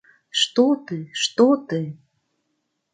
Што ты, што ты.